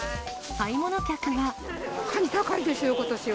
買い物客は。